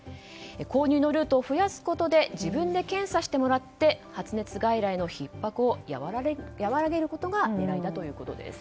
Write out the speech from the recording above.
購入のルートを増やすことで自分で検査してもらって発熱外来のひっ迫を和らげることが狙いだということです。